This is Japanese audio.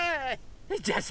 じゃあさ